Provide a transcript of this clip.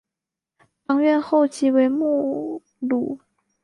堂院后即为墓庐。